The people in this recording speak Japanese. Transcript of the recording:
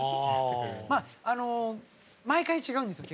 まあ毎回違うんですよ